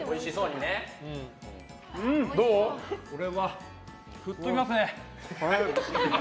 これは吹っ飛びますね。